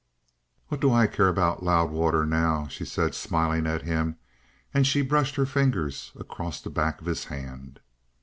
"What do I care about Loudwater now?" she said, smiling at him, and she brushed her fingertips across the back of his hand.